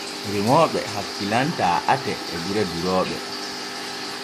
Remooɓe hakkilantaa ate e gure durooɓe.